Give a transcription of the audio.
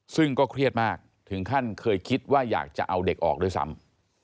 ซึ่งก็เครียดมากถึงขั้นเคยคิดว่าอยากจะเอาเด็กออกด้วยซ้ำ